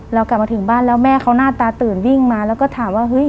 เรากลับมาถึงบ้านแล้วแม่เขาหน้าตาตื่นวิ่งมาแล้วก็ถามว่าเฮ้ย